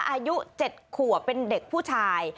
อายุ๗ขัวเป็นเด็กผู้ชาย